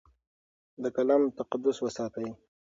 د قلم تقدس وساتئ.